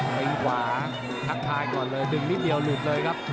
ตีขวาทักทายก่อนเลยดึงนิดเดียวหลุดเลยครับ